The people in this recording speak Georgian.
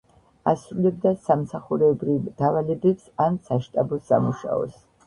ასრულებდა სამსახურეობრივ დავალებებს, ან საშტაბო სამუშაოს.